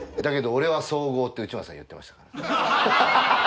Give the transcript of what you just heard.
だけど俺は総合って内村さん言ってましたから。